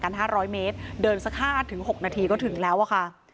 ห่างกัน๕๐๐เมตรเดินสัก๕ถึง๖นาทีก็ถึงแล้วค่ะ